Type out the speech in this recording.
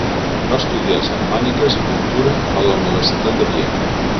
Va estudiar Germàniques i cultura a la universitat de Viena.